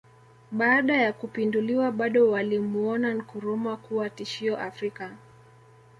Baada ya kupinduliwa bado walimuona Nkrumah kuwa tishio Afrika